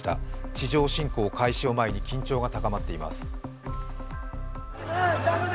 地上侵攻開始を前に緊張が高まっています。